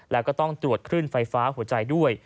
แล้วก็ต้องตรวจคลื่นไฟฟ้าหัวใจด้วย